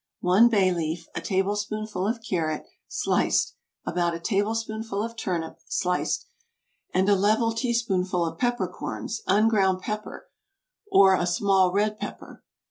One bay leaf, a tablespoonful of carrot, sliced, about a tablespoonful of turnip, sliced, and a level teaspoonful of peppercorns unground pepper or a small red pepper.